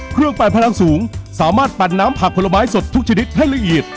ปั่นพลังสูงสามารถปั่นน้ำผักผลไม้สดทุกชนิดให้ละเอียด